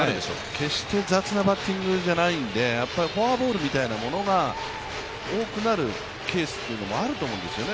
決して雑なバッティングじゃないんでフォアボール見たいなものが多くなるケースというのもあると思うんですよね。